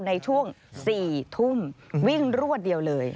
ในช่วง๔ทุ่มวิ่งรวดเดียวเลย